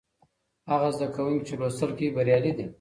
هغه زده کوونکي چې لوستل کوي بریالي دي.